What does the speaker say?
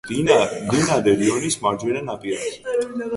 მდინარე რიონის მარჯვენა ნაპირას.